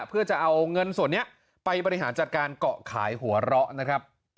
เพื่อจะเอาเงินส่วนนี้ไปบริหารจัดการเกาะขายหัวเราะนะครับ